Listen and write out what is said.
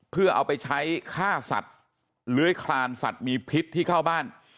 เพื่อเอาไปใช้ฆ่าสัตว์เลื้อยคลานสัตว์มีพิษที่เข้าบ้าน